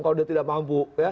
kalau dia tidak mampu